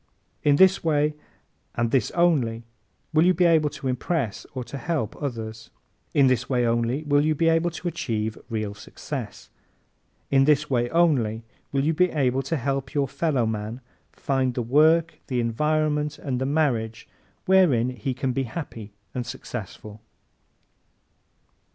In this way and this only will you be able to impress or to help others. In this way only will you be able to achieve real success. In this way only will you be able to help your fellowman find the work, the environment and the marriage wherein he can be happy and successful.